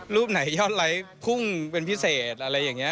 รูปไหนยอดไหล่ครุ่งเป็นพิเศษอะไรรงนี้